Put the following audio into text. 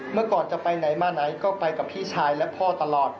เมื่อก่อนจะไปไหนมาไหนก็ไปกับพี่ชายและพ่อตลอด